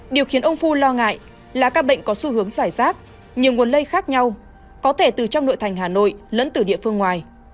điều khiến ông phu lo ngại là các bệnh có xu hướng giải rác nhiều nguồn lây khác nhau có thể từ trong nội thành hà nội lẫn từ địa phương ngoài